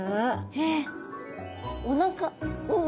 えっおおなか？